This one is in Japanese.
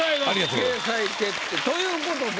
掲載決定ということで。